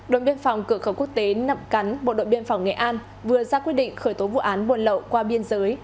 đội biên phòng cửa khẩu quốc tế nậm cắn bộ đội biên phòng nghệ an vừa ra quyết định khởi tố vụ án buồn lậu qua biên giới